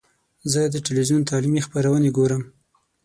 زه د ټلویزیون تعلیمي خپرونې ګورم.